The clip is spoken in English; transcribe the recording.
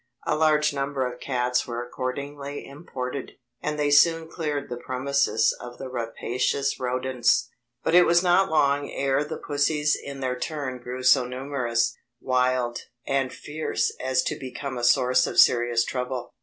A large number of cats were accordingly imported, and they soon cleared the premises of the rapacious rodents. But it was not long ere the pussies in their turn grew so numerous, wild, and fierce as to become a source of serious trouble.